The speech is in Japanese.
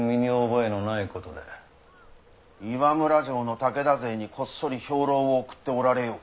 岩村城の武田勢にこっそり兵糧を送っておられよう。